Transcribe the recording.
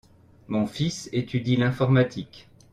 Mon fils étudie l'informatique.